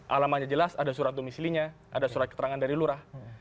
alamannya jelas ada surat domisilinya ada surat keterangan dari lurah